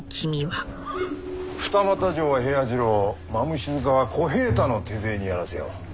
二俣城は平八郎馬伏塚は小平太の手勢にやらせよう。